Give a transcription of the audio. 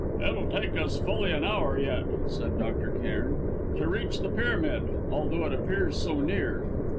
"It will take us fully an hour yet," said Dr. Cairn, "to reach the pyramid, although it appears so near."